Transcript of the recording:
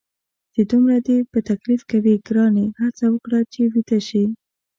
چې دومره دې په تکلیف کوي، ګرانې هڅه وکړه چې ویده شې.